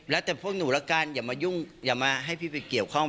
แล้วแต่พวกหนูละกันอย่ามายุ่งอย่ามาให้พี่ไปเกี่ยวข้อง